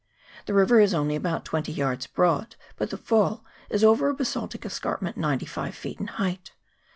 The river is only about twenty yards broad, but the fall is over a basaltic escarpment ninety five feet in height.